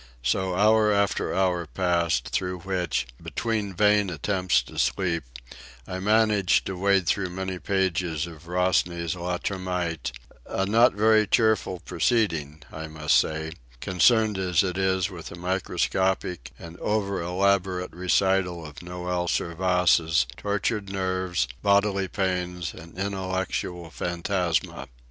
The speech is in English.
So hour after hour passed, through which, between vain attempts to sleep, I managed to wade through many pages of Rosny's Le Termite—a not very cheerful proceeding, I must say, concerned as it is with the microscopic and over elaborate recital of Noël Servaise's tortured nerves, bodily pains, and intellectual phantasma.